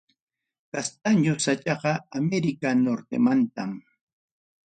Castaño sachaqa América Nortemantam.